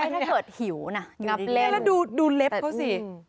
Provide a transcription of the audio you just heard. ใช่ถ้าเกิดหิวน่ะอยู่ดีนี่แล้วดูเล็บเขาสิ